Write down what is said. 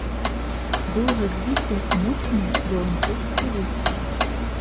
Быў развіты моцны валанцёрскі рух.